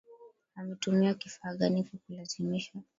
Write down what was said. Ametumia kifaa gani kukulazimisha